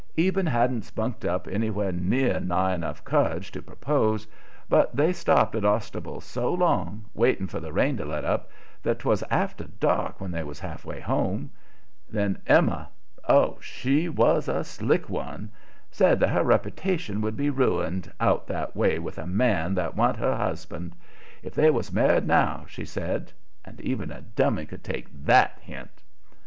Eben hadn't spunked up anywhere nigh enough courage to propose, but they stopped at Ostable so long, waiting for the rain to let up, that 'twas after dark when they was half way home. Then Emma oh, she was a slick one! said that her reputation would be ruined, out that way with a man that wa'n't her husband. If they was married now, she said and even a dummy could take THAT hint.